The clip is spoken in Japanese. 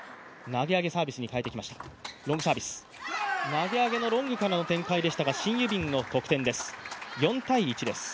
投げ上げのロングからの展開でしたがシン・ユビンの得点です。